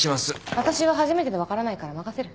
私は初めてで分からないから任せる。